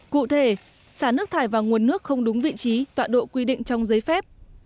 cụ thể xả nước thải vào nguồn nước không đúng vị trí tọa độ quy định trong giấy phép